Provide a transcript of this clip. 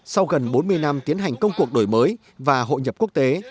sau gần bốn mươi năm tiến hành công cuộc đổi mới và hội nhập quốc tế